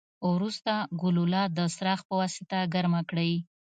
وروسته ګلوله د څراغ پواسطه ګرمه کړئ.